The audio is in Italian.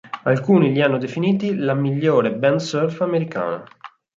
Alcuni li hanno definiti "la migliore band surf Americana".